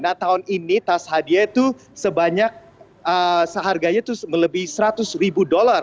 nah tahun ini tas hadiah itu sebanyak seharganya itu melebih seratus ribu dolar